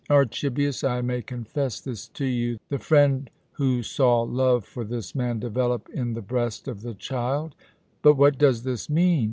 Archibius, I may confess this to you, the friend who saw love for this man develop in the breast of the child But what does this mean?